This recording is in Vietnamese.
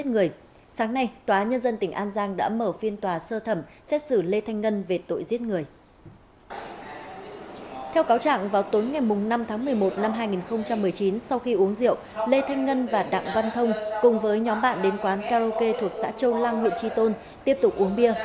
trong tháng một mươi một năm hai nghìn một mươi chín sau khi uống rượu lê thanh ngân và đặng văn thông cùng với nhóm bạn đến quán karaoke thuộc xã châu lăng huyện tri tôn tiếp tục uống bia